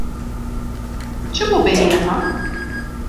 Çi bû berî niha?